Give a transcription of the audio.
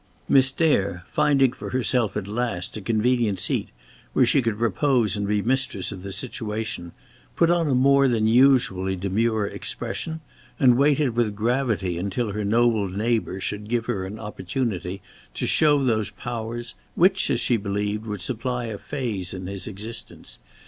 Miss Dare, finding for herself at last a convenient seat where she could repose and be mistress of the situation, put on a more than usually demure expression and waited with gravity until her noble neighbour should give her an opportunity to show those powers which, as she believed, would supply a phase in his existence.